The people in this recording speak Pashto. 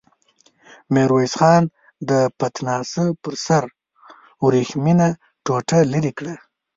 ميرويس خان د پتناسه پر سر ورېښمينه ټوټه ليرې کړه.